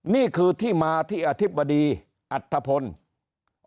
นี่คือที่มาที่อธิบดีอัตภพลเจริญ